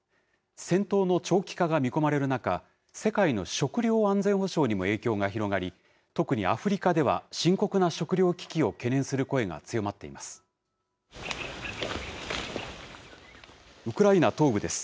戦闘の長期化が見込まれる中、世界の食料安全保障にも影響が広がり、特にアフリカでは深刻な食糧危機を懸念する声が強まっています。